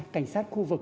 cảnh sát khu vực